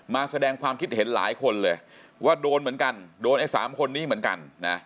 มาแสดงความคิดเห็นหลายคนเลยว่าโดนเหมือนกันโดนไอ้๓คนนี้เหมือนกันนะ